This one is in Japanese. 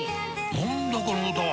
何だこの歌は！